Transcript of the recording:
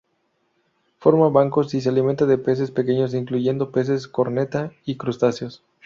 Forma bancos, y se alimenta de peces pequeños, incluyendo peces corneta, y crustáceos.